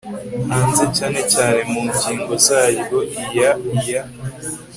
hanze cyane cyane mu ngingo zaryo iya iya